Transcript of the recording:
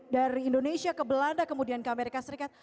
dari indonesia ke belanda kemudian ke amerika serikat